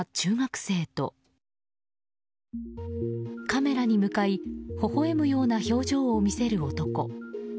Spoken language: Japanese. カメラに向かいほほ笑むような表情を見せる男。